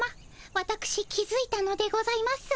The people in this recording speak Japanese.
わたくし気づいたのでございます。